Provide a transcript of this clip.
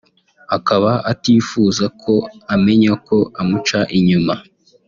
akaba atifuza ko amenya ko amuca inyuma